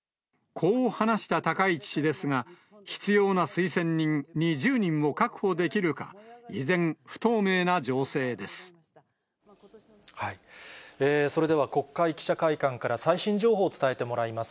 こう話した高市氏ですが、必要な推薦人２０人を確保できるそれでは国会記者会館から最新情報を伝えてもらいます。